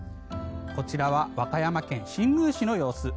こちらは和歌山県新宮市の様子。